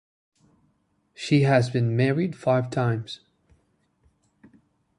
She has been married five times.